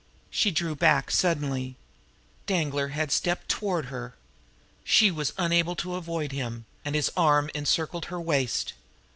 She drew back suddenly. Danglar had stepped toward her. She was unable to avoid him, and his arm encircled her waist.